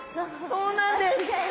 そうなんです。